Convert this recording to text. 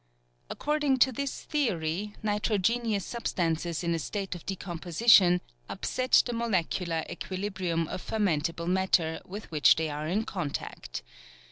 According to this theory, nitrogenous substances in a state of decomposition upset the molecular equilibrium of fermentable matter with which they are in contact.